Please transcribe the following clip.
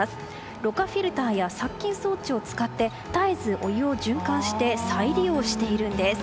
ろ過フィルターや殺菌装置を使って、絶えずお湯を循環して再利用しているんです。